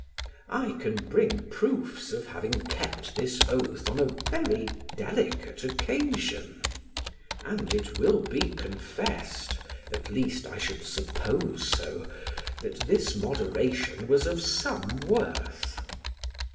I can bring proofs of having kept this oath on a very delicate occasion, and it will be confessed (at least I should suppose so) that this moderation was of some worth.